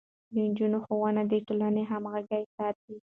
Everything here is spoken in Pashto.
د نجونو ښوونه د ټولنې همغږي ساتي.